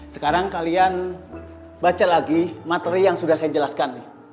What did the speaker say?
sekarang kalian baca lagi materi yang sudah saya jelaskan